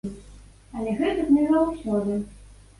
Але гэтак не заўсёды.